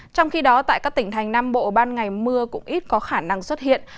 trong khi đó tại các tỉnh thành nam bộ ban ngày mưa cũng ít có khả năng xuất hiện